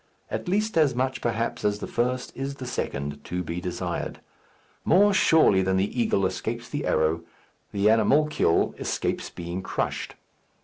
At least as much, perhaps, as the first is the second to be desired. More surely than the eagle escapes the arrow, the animalcule escapes being crushed.